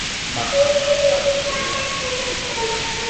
এসব হোটেলে ভাত, পরোটা, ডাল, মাছ, মাংস, ডিম, সুপ—সবই পাওয়া যায়।